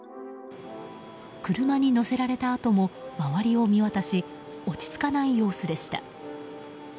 車に乗せられたあとも周りを見渡し落ち着かない様子でした。